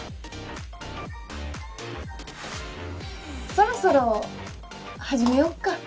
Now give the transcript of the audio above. そろそろ始めよっか。